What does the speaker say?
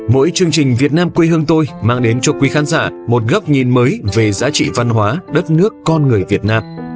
mỗi chương trình việt nam quê hương tôi mang đến cho quý khán giả một góc nhìn mới về giá trị văn hóa đất nước con người việt nam